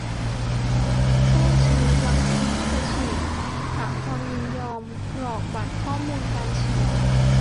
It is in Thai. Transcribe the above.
แจ้งชนิดวัคซีนที่จะฉีด ถามความยินยอม กรอกบัตรข้อมูลการฉีด